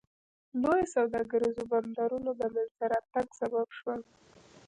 لویو سوداګریزو بندرونو د منځته راتګ سبب شول.